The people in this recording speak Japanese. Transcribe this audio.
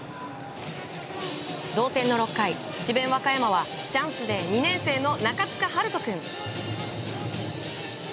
同点の６回、智弁和歌山はチャンスで２年生の中塚遥翔君。